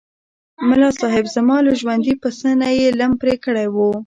ملاصاحب! زما له ژوندي پسه نه یې لم پرې کړی و.